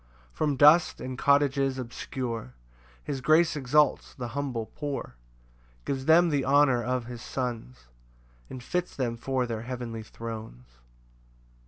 5 From dust and cottages obscure His grace exalts the humble poor; Gives them the honour of his sons, And fits them for their heavenly thrones.